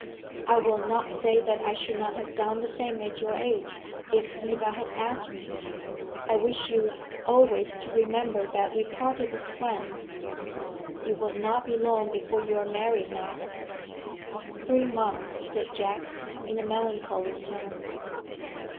I will not say that I should not have done the same at your age, if Eva had asked me. I wish you always to remember that we parted as friends. It will not be long before you are married now." "Three months," said Jack, in a melancholy tone.